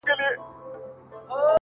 زما يتيمي ارواح ته غوښتې خو.!